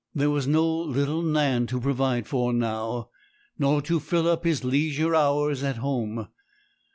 there was no little Nan to provide for now, nor to fill up his leisure hours at home.